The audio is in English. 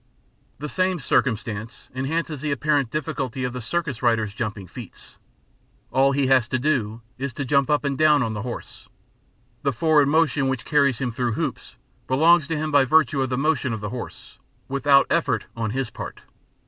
The same circumstance enhances the apparent difficulty of the circus rider's jumping feats. All he has to do is to jump up and down on the horse; the forward motion which carries him through hoops belongs to him by virtue of the motion of the horse, without effort on his part.